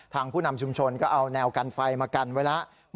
ผู้นำชุมชนก็เอาแนวกันไฟมากันไว้แล้ว